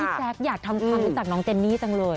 อันนี้แซกอยากทำจากน้องเจนนี่จังเลย